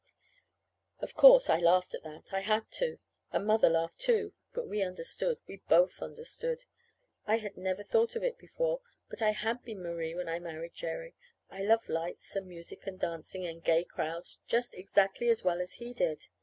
Of course, I laughed at that. I had to. And Mother laughed, too. But we understood. We both understood. I had never thought of it before, but I had been Marie when I married Jerry. I loved lights and music and dancing and gay crowds just exactly as well as he did.